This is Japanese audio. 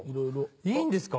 いいんですか？